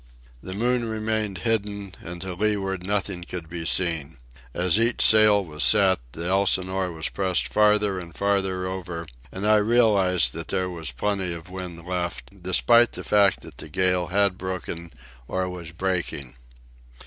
The moon remained hidden, and to leeward nothing could be seen. As each sail was set, the Elsinore was pressed farther and farther over, and I realized that there was plenty of wind left, despite the fact that the gale had broken or was breaking.